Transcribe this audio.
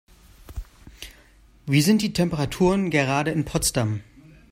Wie sind die Temperaturen gerade in Potsdam?